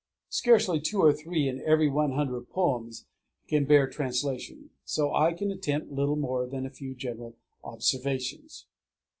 Scarcely two or three in every one hundred poems can bear translation. So I can attempt little more than a few general observations.